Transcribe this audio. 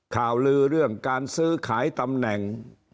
ข่าวลือเรื่องการซื้อขายตำแหน่ง